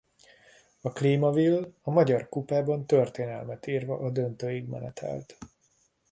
A Klíma-Vill a Magyar Kupában történelmet írva a döntőig menetelt.